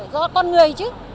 do con người chứ